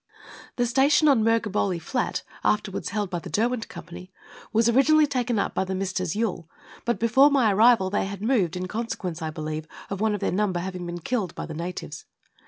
The station on Murghebolac Flat, afterwards held by the Derweut Company, was originally taken up by the Messrs. Yuille, but before my arrival they had moved, in consequence, I believe, of one of their number having been killed by the natives.